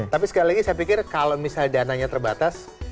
tapi sekali lagi saya pikir kalau misalnya dananya terbatas